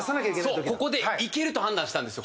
そうここでいけると判断したんですよ。